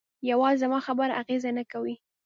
یوازې زما خبرې اغېزه نه کوي.